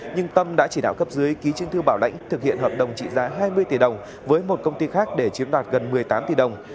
nhưng tâm đã chỉ đạo cấp dưới ký chứng thư bảo lãnh thực hiện hợp đồng trị giá hai mươi tỷ đồng với một công ty khác để chiếm đoạt gần một mươi tám tỷ đồng